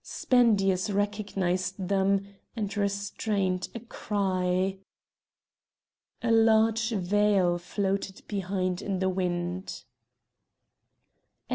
Spendius recognised them, and restrained a cry. A large veil floated behind in the wind.